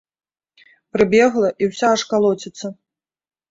Прыбегла, і ўся аж калоціцца.